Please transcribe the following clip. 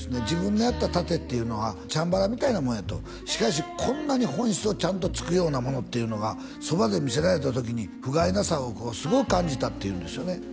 自分のやった殺陣っていうのはチャンバラみたいなもんやとしかしこんなに本質をちゃんと突くようなものっていうのがそばで見せられた時にふがいなさをすごい感じたって言うんですよね